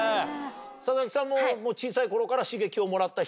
佐々木さんも小さい頃から刺激をもらった１人？